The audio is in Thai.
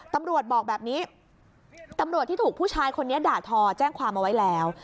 ตำรวจบอกแบบนี้ตำรวจที่ถูกผู้ชายคนนี้ด่าทอแจ้งความเอาไว้แล้ว